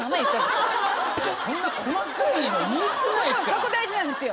そこ大事なんですよ